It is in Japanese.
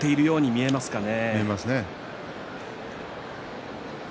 見えますね。